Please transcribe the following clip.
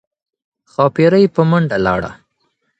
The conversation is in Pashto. ښاپیرۍ په منډه لاړه